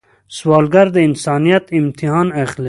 سوالګر د انسانیت امتحان اخلي